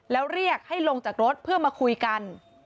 แล้วเรียกให้ลงจากรถเพื่อมาคุยกัน